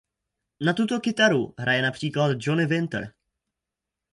Na tuto kytaru hraje například Johnny Winter.